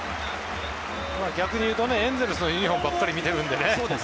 逆に言うとエンゼルスのユニホームばかり見ているのでね。